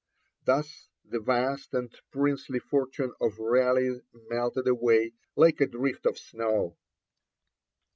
Thus the vast and princely fortune of Raleigh melted away like a drift of snow.